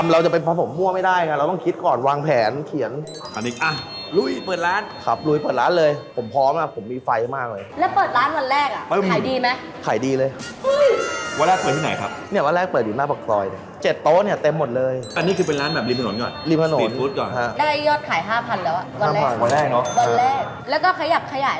แล้วก็ขยับขยายมาตลอดขยับขยายมาเรื่อยจนอะไรรู้ไหมเฮีย